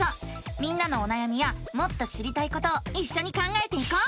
みんなのおなやみやもっと知りたいことをいっしょに考えていこう！